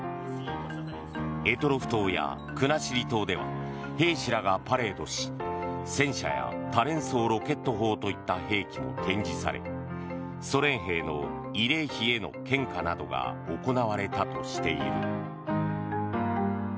択捉島や国後島では兵士らがパレードし戦車や多連装ロケット砲といった兵器も展示されソ連兵の慰霊碑への献花などが行われたとしている。